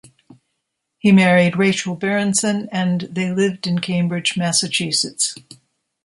He married Rachel Berenson, and they lived in Cambridge, Massachusetts.